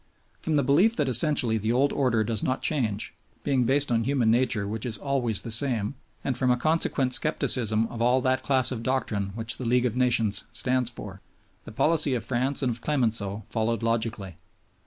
From the belief that essentially the old order does not change, being based on human nature which is always the same, and from a consequent skepticism of all that class of doctrine which the League of Nations stands for, the policy of France and of Clemenceau followed logically.